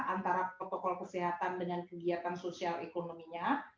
antara protokol kesehatan dengan kegiatan sosial ekonominya